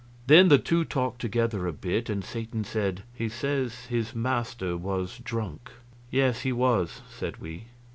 Then the two talked together a bit, and Satan said: "He says his master was drunk." "Yes, he was," said we.